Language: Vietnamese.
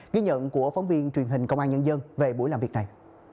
ghi nhận của phóng viên truyền hình công an nhân dân về buổi làm việc này